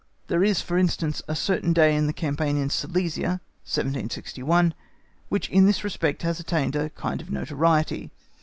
There is, for instance, a certain day in the campaign in Silesia, 1761, which, in this respect, has attained a kind of notoriety.